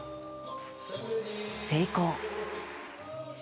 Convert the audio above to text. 成功。